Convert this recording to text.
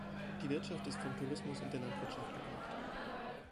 Die Wirtschaft ist vom Tourismus und der Landwirtschaft geprägt.